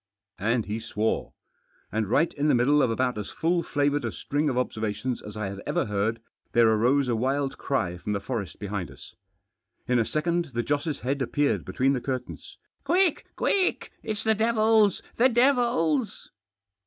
Arid he swore. And right in the middle of about as full flavoured a string of observations as I had ever heard there arose a wild cry from the forest behind us. In a second the Joss' head appeared between the curtains. " Quick ! quick ! It's the devils— the devils